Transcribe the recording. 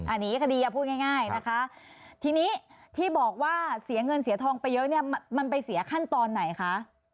อันนี้คดีพูดง่ายนะคะทีนี้ที่บอกว่าเสียเงินเสียทองไปเยอะเนี่ยมันไปเสียขั้นตอนไหนคะ